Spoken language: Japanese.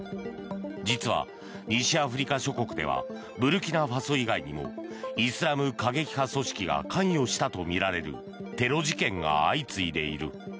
実は、西アフリカ諸国ではブルキナファソ以外にもイスラム過激派組織が関与したとみられるテロ事件が相次いでいる。